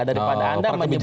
dari pada anda menyebut